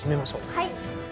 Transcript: はい。